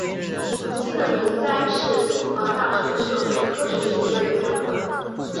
如今的明斋是清华大学社会科学学院的院馆。